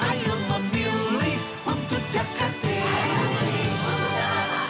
ayo memilih untuk jakarta